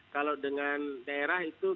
kalau dengan daerah itu